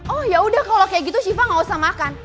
oh yaudah kalau kayak gitu syifa gak usah makan